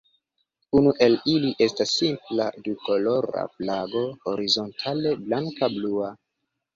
Unu el ili estas simpla dukolora flago horizontale blanka-blua.